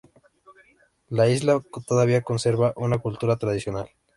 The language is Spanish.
La isla todavía conserva una cultura tradicional.